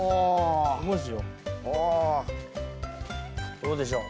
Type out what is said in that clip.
どうでしょう？